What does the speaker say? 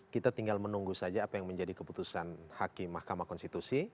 kita tinggal menunggu saja apa yang menjadi keputusan hakim mahkamah konstitusi